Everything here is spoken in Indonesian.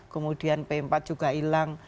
kemudian pempat juga hilang